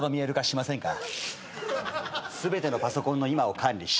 全てのパソコンの今を管理し。